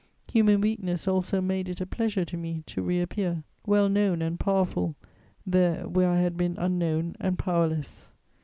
Human weakness also made it a pleasure to me to reappear, well known and powerful, there where I had been unknown and powerless.